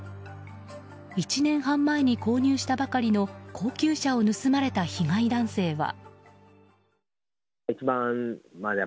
１年半前に購入したばかりの高級車を盗まれた被害男性は。